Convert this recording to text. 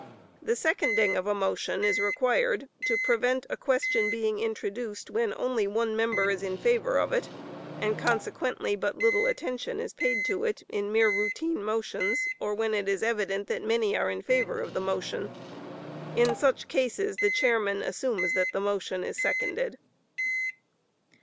The seconding of a motion is required to prevent a question being introduced when only one member is in favor of it, and consequently but little attention is paid to it in mere routine motions, or when it is evident that many are in favor of the motion; in such cases the chairman assumes that the motion is seconded.